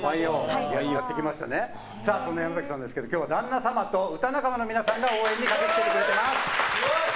そんな山崎さんですが今日は旦那様と歌仲間の皆さんが応援に駆け付けてくれています。